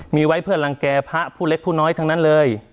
มีไว้เพื่อรังแก่พระผู้เล็กผู้น้อยทั้งนั้นเลย